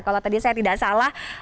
kalau tadi saya tidak salah